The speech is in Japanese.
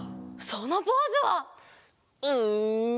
そのポーズは。うー。